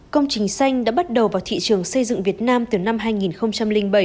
công trình xanh đã bắt đầu vào thị trường xây dựng việt nam từ năm hai nghìn bảy